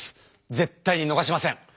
絶対にのがしません！